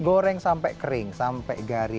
goreng sampai kering sampai garing ya